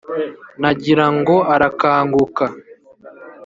Nagira ngo arakanguka,